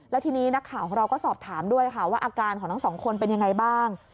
แล้วทีนี้นักข่าวของเราก็สอบถามด้วยค่ะว่าอาการของทั้งสองคนเป็นยังไงบ้าง